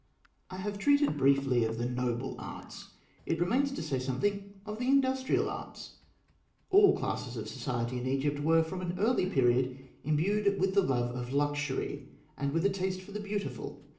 _ I have treated briefly of the Noble Arts; it remains to say something of the Industrial Arts. All classes of society in Egypt were, from an early period, imbued with the love of luxury, and with a taste for the beautiful.